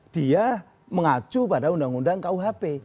dia mengacu pada undang undang kuhp